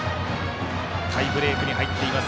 タイブレークに入っています